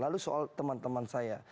lalu soal teman teman saya